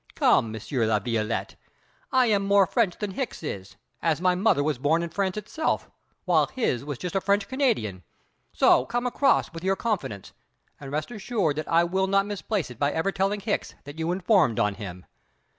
Come, Monsieur La Violette, I am more French than Hicks is, as my mother was born in France itself, while his was just a French Canadian; so come across with your confidence, and rest assured that I will not misplace it by ever telling Hicks that you informed on him.